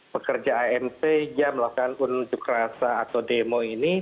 pekerja amp yang melakukan unjuk rasa atau demo ini